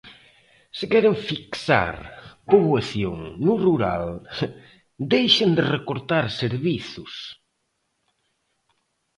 Se queren fixar poboación no rural, deixen de recortar servizos.